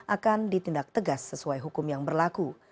akan ditindak tegas sesuai hukum yang berlaku